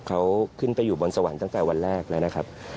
เขาขึ้นไปอยู่บนสวรรค์ตั้งแต่วันแรกแล้วนะครับ